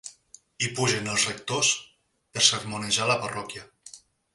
Hi pugen els rectors per sermonejar la parròquia.